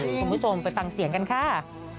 คุณผู้ชมไปฟังเสียงกันค่ะ